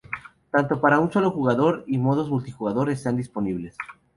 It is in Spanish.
Tanto para un solo jugador y modos multijugador están disponibles.